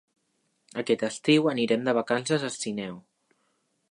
Aquest estiu anirem de vacances a Sineu.